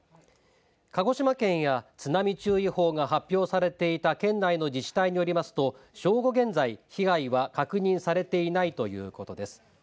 鹿児島県や津波注意報が発表されていた県内の自治体によりますと正午現在、被害は確認されていないということです。